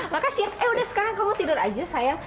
makasih eh udah sekarang kamu tidur aja sayang